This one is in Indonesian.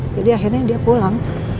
jadi akhirnya dia pulang